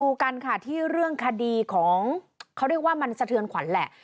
ดูกันค่ะที่เรื่องคดีของเขาเรียกว่ามันสะเทือนขวัญแหละ